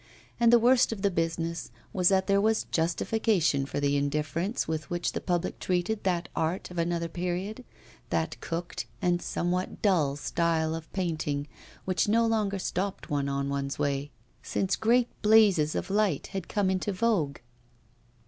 And the worst of the business was that there was justification for the indifference with which the public treated that art of another period, that cooked and somewhat dull style of painting, which no longer stopped one on one's way, since great blazes of light had come into vogue.